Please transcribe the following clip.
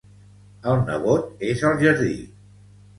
El nebot és al jardí.